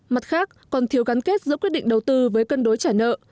mặt khác còn thiếu gắn kết giữa quyết định đầu tư với cân đối trả nợ